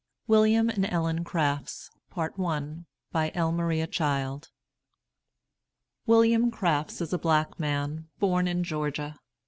WILLIAM AND ELLEN CRAFTS. BY L. MARIA CHILD. William Crafts is a black man, born in Georgia.